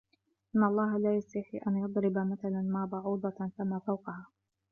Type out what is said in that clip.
إِنَّ اللَّهَ لَا يَسْتَحْيِي أَنْ يَضْرِبَ مَثَلًا مَا بَعُوضَةً فَمَا فَوْقَهَا